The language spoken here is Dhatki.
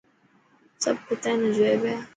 سڀ ڪوتي نا جوئي پيا.